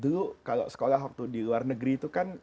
dulu kalau sekolah waktu di luar negeri itu kan